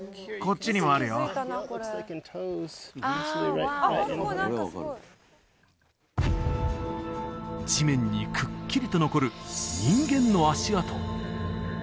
ワーオ地面にくっきりと残る人間の足跡